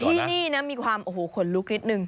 ที่นี่นะมีความโอ้โหขนลุกนิดนึง